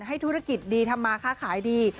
ธุรกิจดีทำมาค้าขายดี